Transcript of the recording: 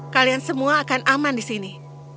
kalian semua akan aman di sini